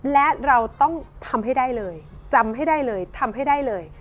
และเราต้องทำให้ได้เลยจำให้ได้เลยทำให้ได้เลย